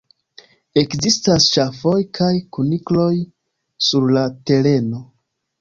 Ekzistas ŝafoj kaj kunikloj sur la tereno.